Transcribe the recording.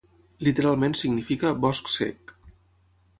Literalment significa "bosc sec".